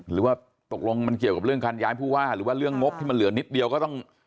หรือว่าตกลงมันเกี่ยวกับเรื่องการย้ายผู้ว่าหรือว่าเรื่องงบที่มันเหลือนิดเดียวก็ต้อง